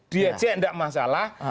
dia cek nggak masalah